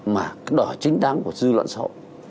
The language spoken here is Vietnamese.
mà đòi hỏi chính đáng của dư luận sau